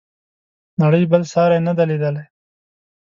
نړۍ بل ساری نه دی لیدلی.